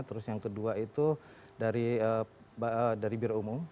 terus yang kedua itu dari biro umum